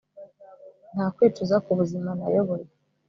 Nta kwicuza kubuzima nayoboye